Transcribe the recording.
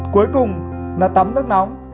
cuối cùng là tắm nước nóng